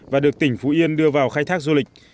và được tỉnh phú yên đưa vào khai thác du lịch